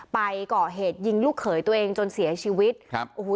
ไปก่อเหตุยิงลูกเขยตัวเองจนเสียชีวิตครับโอ้โห